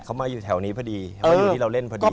เขามาอยู่แถวนี้พอดีมาอยู่ที่เราเล่นพอดี